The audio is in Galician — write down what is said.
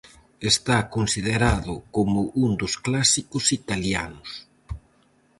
Está considerado como un dos clásicos italianos.